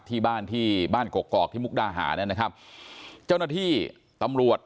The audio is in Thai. ที่บ้านที่บ้านกกอกที่มุกดาหารนะครับเจ้าหน้าที่ตำรวจ